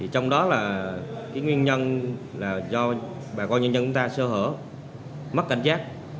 trong đó là cái nguyên nhân là do bà con nhân dân chúng ta sơ hở mất cảnh giác